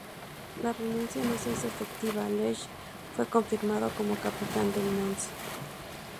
La renuncia no se hizo efectiva y Leech fue confirmado como capitán del "Nancy".